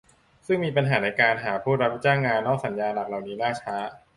ซึ่งมีปัญหาในการหาผู้รับจ้างงานนอกสัญญาหลักเหล่านี้ล่าช้า